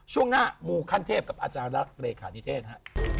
ช่วงหน้ามูขั้นเทพกับอาจารย์รักเลขานิเทศฮะ